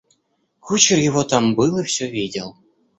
Кучер его там был и всё видел.